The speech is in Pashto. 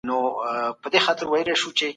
خلګو ولې احمد شاه ابدالي ته دراني واهه؟